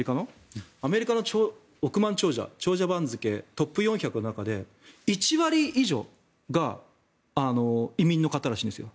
で、アメリカの「フォーブス」長者番付トップ４００の中で１割以上が移民の方らしいんですよ。